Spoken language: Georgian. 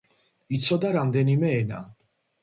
იცოდა რამდენიმე ენა.